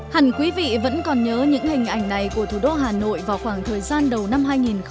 hẳn quý vị vẫn còn nhớ những hình ảnh này của thủ đô hà nội vào khoảng thời gian đầu năm hai nghìn một mươi chín